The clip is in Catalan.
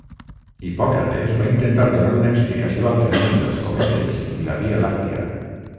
Hipòcrates va intentar donar una explicació al fenomen dels cometes i la Via Làctia.